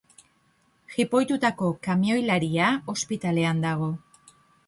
Jipoitutako kamioilaria ospitalean dago.